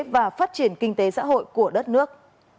và phát triển kinh tế xã hội của đất nước